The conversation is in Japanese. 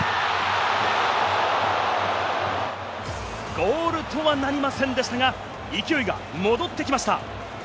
ゴールとはなりませんでしたが、勢いが戻ってきました。